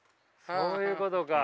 そういうことか。